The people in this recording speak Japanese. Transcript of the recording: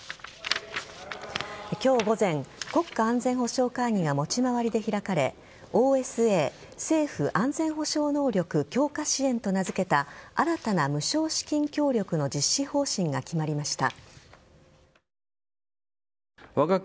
今日午前、国家安全保障会議が持ち回りで開かれＯＳＡ＝政府安全保障能力強化支援と名付けた新たな無償資金協力の実施方針が決まりました。